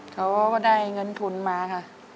เขาก็ได้เงินทุนมาค่ะ